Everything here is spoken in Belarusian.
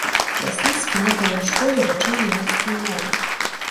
Лясніцкі некалі ў школе вучыў нямецкую мову.